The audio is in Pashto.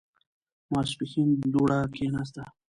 ماسپښين دوړه کېناسته.